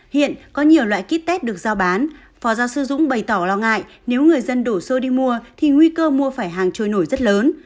hiện có nhiều loại kit test được giao bán phó giáo sư dũng bày tỏ lo ngại nếu người dân đổ xô đi mua thì nguy cơ mua phải hàng trôi nổi rất lớn